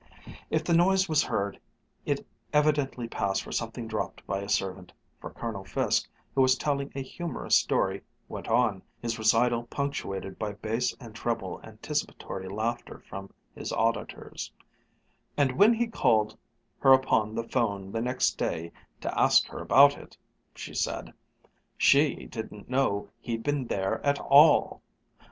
If the noise was heard, it evidently passed for something dropped by a servant, for Colonel Fiske, who was telling a humorous story, went on, his recital punctuated by bass and treble anticipatory laughter from his auditors: " and when he called her upon the 'phone the next day to ask her about it, she said she didn't know he'd been there at all!"